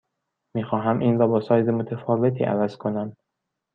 می خواهم این را با سایز متفاوتی عوض کنم.